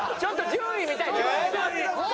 順位見たい。